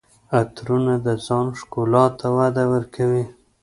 عطرونه د ځان ښکلا ته وده ورکوي.